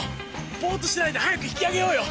ぼーっとしてないで早く引き上げようよ。